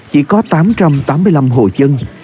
chỉ có tám trăm tám mươi năm hộ dân